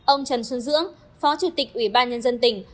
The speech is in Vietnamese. ông trần xuân dưỡng phó chủ tịch ủy ban nhân dân tỉnh